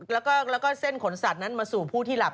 แล้วก็เส้นขนสัตว์นั้นมาสู่ผู้ที่หลับ